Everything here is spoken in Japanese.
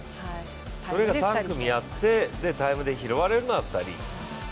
それが３組あってタイムで拾われるのは２人。